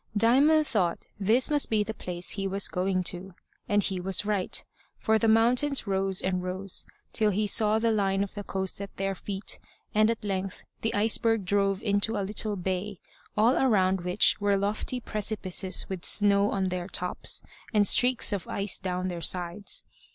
Diamond thought this must be the place he was going to; and he was right; for the mountains rose and rose, till he saw the line of the coast at their feet and at length the iceberg drove into a little bay, all around which were lofty precipices with snow on their tops, and streaks of ice down their sides.